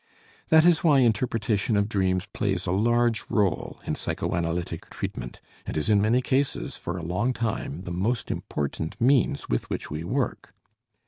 That is why interpretation of dreams plays a large role in psychoanalytic treatment, and is in many cases, for a long time, the most important means with which we work.